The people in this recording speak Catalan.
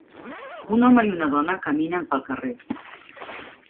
Un home i una dona caminen pel carrer.